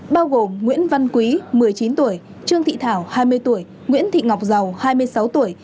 bao gồm nguyễn văn quý một mươi chín tuổi trương thị thảo hai mươi tuổi nguyễn thị ngọc dầu hai mươi sáu tuổi